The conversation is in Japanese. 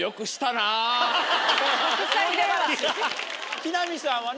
木南さんはね